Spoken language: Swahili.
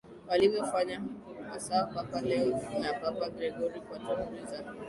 walivyofanya hasa Papa Leo I na Papa Gregori I Kwa juhudi za